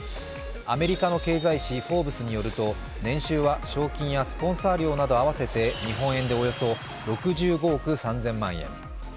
アメリカの経済誌「フォーブス」によると年収は賞金やスポンサー料など合わせて日本円でおよそ６５億３０００万円。